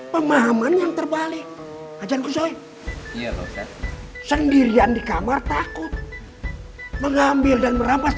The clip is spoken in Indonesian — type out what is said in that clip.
pemahaman yang terbalik ajanku saya iya sendirian di kamar takut mengambil dan merampas